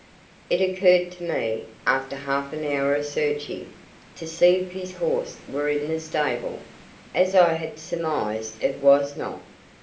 It occurred to me, after half an hour of searching, to see if his horse were in the stable; as I had surmised it was not.